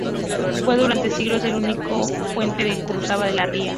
Fue durante siglos el único puente que cruzaba la ría.